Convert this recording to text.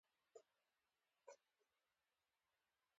ترموز د مشغولې ورځې پای ته رسوي.